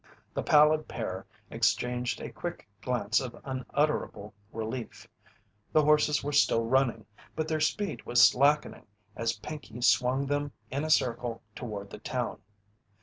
The pallid pair exchanged a quick glance of unutterable relief. The horses were still running but their speed was slackening as Pinkey swung them in a circle toward the town.